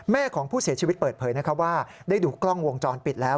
ของผู้เสียชีวิตเปิดเผยว่าได้ดูกล้องวงจรปิดแล้ว